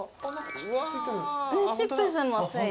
チップスも付いて。